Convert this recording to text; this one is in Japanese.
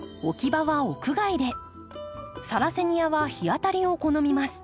サラセニアは日当たりを好みます。